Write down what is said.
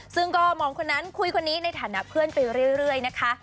ซึ่งก็มองคนนั้นคุยคนนี้ในฐานะเพื่อนไปเรื่อยนะคะ